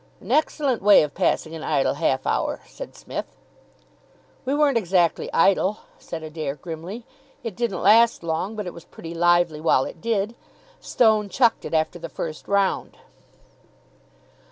"An excellent way of passing an idle half hour," said Psmith. "We weren't exactly idle," said Adair grimly. "It didn't last long, but it was pretty lively while it did. Stone chucked it after the first round."